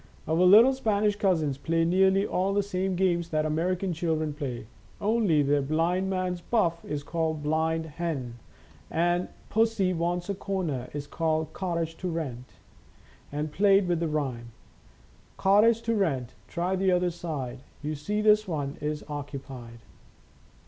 ' Our little Spanish cousins play nearly all the same games that American children play, only their "Blind Man's Buff" is called " Blind Hen," and " Pussy Wants a Corner," is called "Cottage to Rent," and played with the rhyme: " Cottage to rent, try the other side, You see this one is occupied."